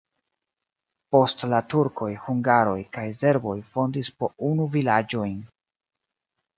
Post la turkoj hungaroj kaj serboj fondis po unu vilaĝojn.